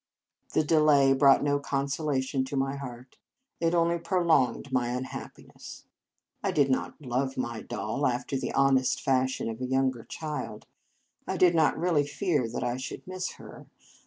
The delay brought no consolation to my heart. It only prolonged my unhappiness. I did not love my doll after the honest fashion of a younger child. I did not really fear that I should miss her.